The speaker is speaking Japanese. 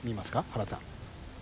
原田さん。